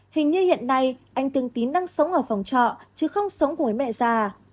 hình như hiện nay anh thương tín đang sống ở phòng trọ chứ không sống cùng với mẹ già